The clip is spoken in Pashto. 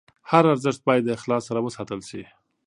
هر ارزښت باید د اخلاص سره وساتل شي.